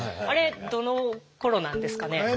あれどのころなんですかね？